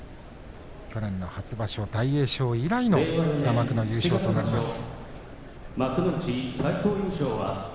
去年の初場所の大栄翔以来平幕の優勝となります。